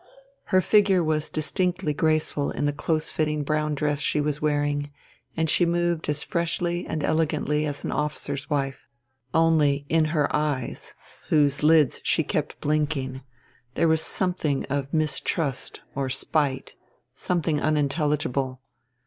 Her figure was distinctly graceful in the close fitting brown dress she was wearing, and she moved as freshly and elegantly as an officer's wife. Only in her eyes, whose lids she kept blinking, there was something of mistrust or spite, something unintelligible.